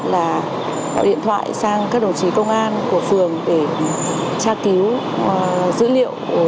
là gọi điện thoại sang các đồng chí công an của phường để tra cứu dữ liệu